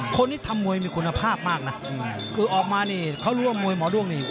คนนี้ทำมวยมีคุณภาพมากนะคือออกมานี่เขารู้ว่ามวยหมอด้วงนี่